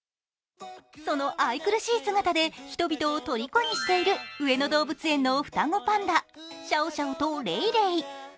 その愛くるしい姿で人々をとりこにしている上野動物園の双子パンダシャオシャオとレイレイ。